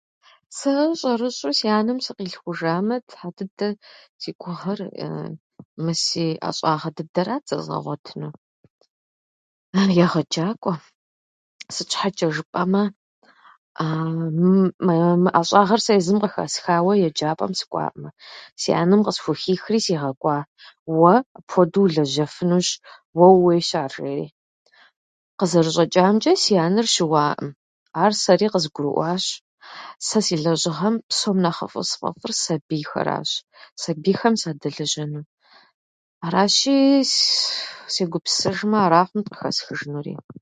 Сэ щӏэрыщӏэу си анэм сыкъилъхужамэ, Тхьэ дыдэ, си гугъэр мы си ӏэщӏагъэ дыдэрат зэзгъэгъуэтынур. Ар егъэджакӏуэ. Сыт щхьэчӏэ жыпӏэмэ, мы- мы ӏэщӏагъэр сэ езым къыхэсхауэ еджапӏэм сыкӏуаӏым. Си анэм къысхухихри си гъэкӏуа. Уэ апхуэдэу улэжьэфынущ, уэ ууейщ ар, жери. Къызэрыщӏэчӏамчӏэ, си анэр щыуаӏым. Ар сэри къызгурыӏуащ. Сэ си лэжьыгъэм псом нэхъыфӏу сфӏэфӏыр сабийхэращ, сабийхэм садэлэжьэну. Аращи, сс- сегупсысыжмэ, ара хъунт къыхэсхыжынури.